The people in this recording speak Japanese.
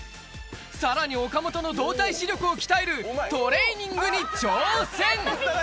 さらに岡本の動体視力を鍛えるトレーニングに挑戦！